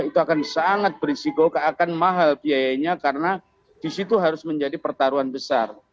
itu akan sangat berisiko akan mahal biayanya karena disitu harus menjadi pertaruhan besar